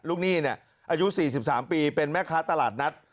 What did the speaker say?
หนี้อายุ๔๓ปีเป็นแม่ค้าตลาดนัด